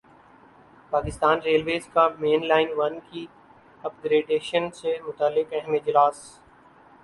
Pakistan railways کا main line one کی upgradation سے متعلق اہم اجلاس